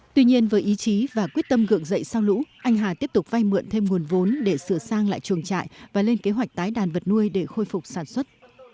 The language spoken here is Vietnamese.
tuy nhiên với ý chí và quyết tâm gượng dậy sau lũ anh hà tiếp tục vay mượn thêm nguồn vốn để sửa sang lại chuồng trại và lên kế hoạch tái đàn vật nuôi để khôi phục sản xuất